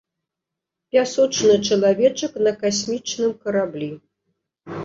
Пясочны чалавечак на касмічным караблі.